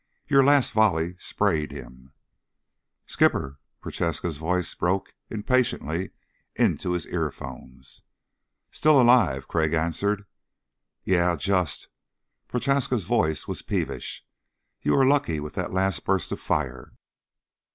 "Your last volley sprayed him." "Skipper!" Prochaska's voice broke impatiently into his earphones. "Still alive," Crag answered. "Yeah just." Prochaska's voice was peevish. "You were lucky with that last burst of fire."